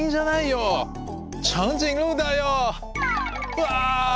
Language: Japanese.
うわ！